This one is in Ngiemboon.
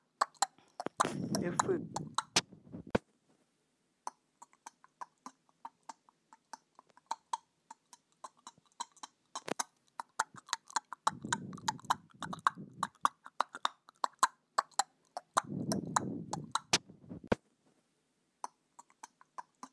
Efʉ̀ʼ pɔ́ lekaŋa zẅénzẅíŋ, à fó na ntí nzẅíŋ mbɔɔ mentí mie melɔ̌ʼ é gyɔ́ɔn tsɛ̀ɛ nkáʼ púʼu.